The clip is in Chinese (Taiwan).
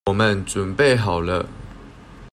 我們準備好了